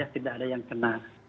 tidak ada yang kena